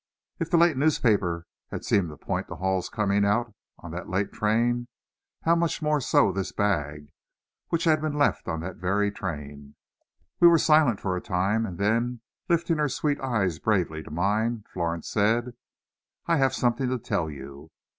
If the late newspaper had seemed to point to Hall's coming out on that late train, how much more so this bag, which had been left on that very train. We were silent for a time, and then, lifting her sweet eyes bravely to mine, Florence said, "I have something to tell you."